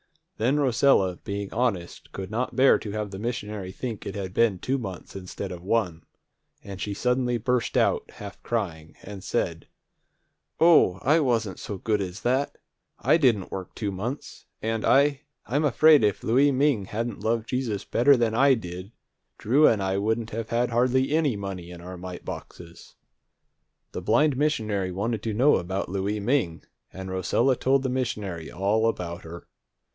Then Rosella, being honest, could not bear to have the missionary think it had been two months instead of one, and she suddenly burst out, half crying, and said, "O, I wasn't so good as that! I didn't work two months, and I I'm afraid if Louie Ming hadn't loved Jesus better than I did, Drew and I wouldn't have had hardly any money in our mite boxes." The blind missionary wanted to know about Louie Ming, and Rosella told the missionary all about her.